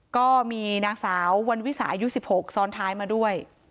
ก็มีนางสาววันวิสาอายุ๑๖ซ้อนท้ายมาด้วย